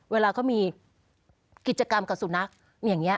เวลาเขามีกิจกรรมกับสุนัขอย่างนี้